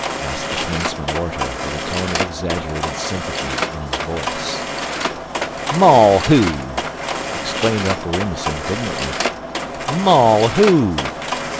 asked the commencement orator, with a tone of exaggerated sympathy in his voice. "Maul who?" exclaimed Uncle Remus, indignantly. "Maul who?